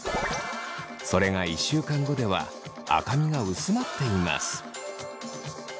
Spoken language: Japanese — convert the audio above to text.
それが１週間後では赤みが薄まっています。